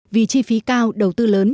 vì chi phí cao đầu tư lớn